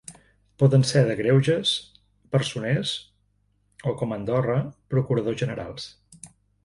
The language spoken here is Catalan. Poden ser de greuges, personers o, com a Andorra, procuradors generals.